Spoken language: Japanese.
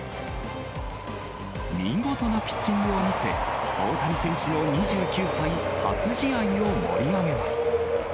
見事なピッチングを見せ、大谷選手の２９歳初試合を盛り上げます。